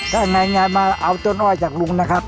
ได้รายงานมาเอาต้นอ้อยจากลุงนะครับ